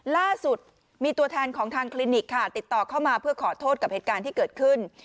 ล่าสุดมีตัวแทนของทางคลินิกค่ะติดต่อเข้ามาเพื่อขอโทษกับเหตุการณ์ที่เกิดขึ้น